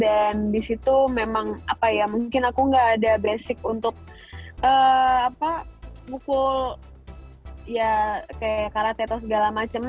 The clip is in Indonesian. dan disitu memang apa ya mungkin aku gak ada basic untuk mukul ya kayak karakter atau segala macem